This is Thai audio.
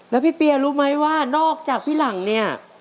แล้วพี่เปียรู้ไหมว่านอกจากพี่หลังเนี่ย